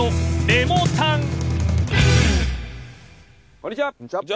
こんにちは。